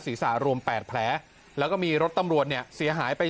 ศีรษะรวม๘แผลแล้วก็มีรถตำรวจเนี่ยเสียหายไป